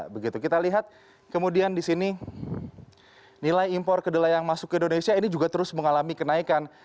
begitu kita lihat kemudian di sini nilai impor kedelai yang masuk ke indonesia ini juga terus mengalami kenaikan